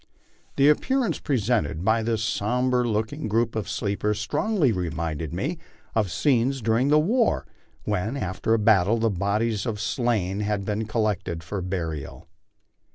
The appearance presented by this sombre looking group of sleepers strongly reminded me of scenes during ths war when, after a battle, the bodies of the slain had been collected for burial.